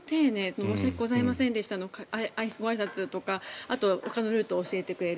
申し訳ございませんでしたのごあいさつとかほかのルートを教えてくれる。